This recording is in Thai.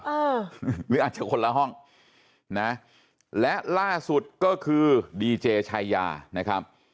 หรืออาจจะคนละห้องนะและล่าสุดก็คือดีเจชายานะครับ